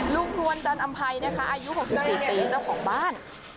ลูกนวลจันอำไพรอายุ๖๔ปีกับเจ้าของบ้าน